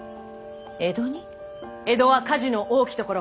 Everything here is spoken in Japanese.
江戸は火事の多きところ。